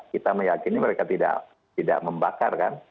kita meyakini mereka tidak membakar kan